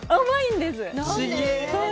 甘いんです。